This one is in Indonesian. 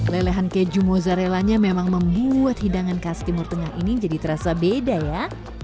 lelehan keju mozzarellanya memang membuat hidangan khas timur tengah ini jadi terasa beda ya